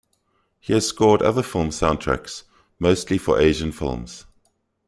He has scored other film soundtracks, mostly for Asian films.